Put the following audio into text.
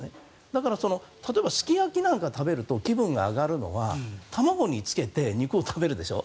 だから、例えばすき焼きなんかを食べると気分が上がるのは卵につけて肉を食べるでしょ。